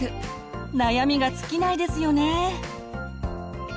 悩みが尽きないですよね。